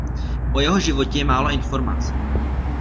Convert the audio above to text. O jeho životě je málo informací.